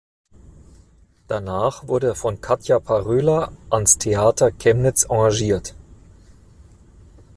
Danach wurde er von Katja Paryla ans Theater Chemnitz engagiert.